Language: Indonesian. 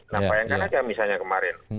nah bayangkan aja misalnya kemarin